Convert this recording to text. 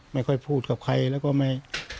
ไม่ค่อยพูดกับใครแล้วก็ไม่